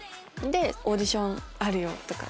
「オーディションあるよ」